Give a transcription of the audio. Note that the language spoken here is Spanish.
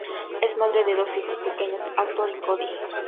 Es madre de dos hijos pequeños: Astor y Cody.